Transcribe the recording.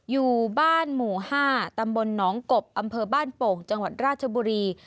อยู่บ้านหมู่๕ตำบลหนองกบอำเภอบ้านโป่งจังหวัดราชบุรี